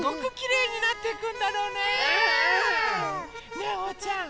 ねえおうちゃん！